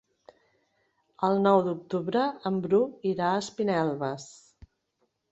El nou d'octubre en Bru irà a Espinelves.